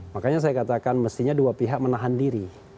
makanya saya katakan mestinya dua pihak menahan diri